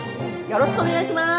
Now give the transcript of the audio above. よろしくお願いします。